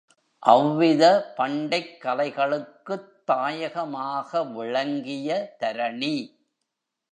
அவ்வித பண்டைக்கலைகளுக்குத் தாயகமாக விளங்கிய தரணி.